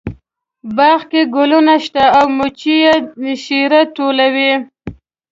باغ کې ګلونه شته او مچۍ یې شیره ټولوي